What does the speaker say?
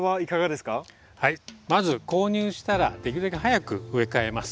まず購入したらできるだけ早く植え替えます。